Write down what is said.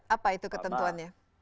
apa itu ketentuannya